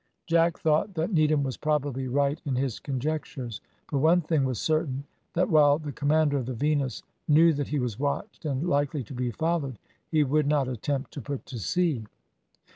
Jack thought that Needham was probably right in his conjectures, but one thing was certain, that while the commander of the Venus knew that he was watched and likely to be followed, he would not attempt to put to sea.